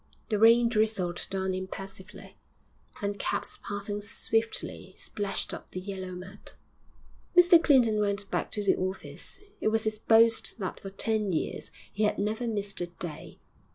The rain drizzled down impassively, and cabs passing swiftly splashed up the yellow mud.... VI Mr Clinton went back to the office; it was his boast that for ten years he had never missed a day.